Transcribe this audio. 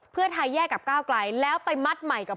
เพื่อไทยแยกกับก้าวไกลแล้วไปมัดใหม่กับ